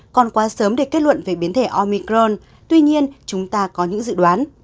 còn quá sớm để kết luận về biến thể omicron tuy nhiên chúng ta có những dự đoán